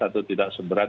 atau tidak seberat